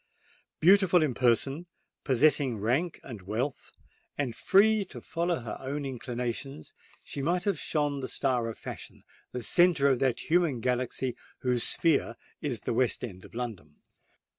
Beautiful in person, possessing rank and wealth, and free to follow her own inclinations, she might have shone the star of fashion—the centre of that human galaxy whose sphere is the West End of London.